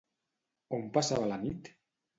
On passava la nit?